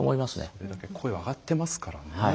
それだけ声が上がっていますからね。